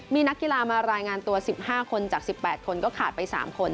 มีนักกีฬามารายงานตัว๑๕คนจาก๑๘คนก็ขาดไป๓คน